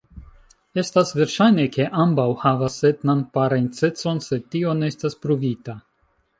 Estas verŝajne ke ambaŭ havas etnan parencecon sed tio ne estas pruvita.